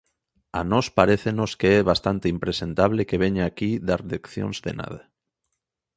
A nós parécenos que é bastante impresentable que veña aquí dar leccións de nada.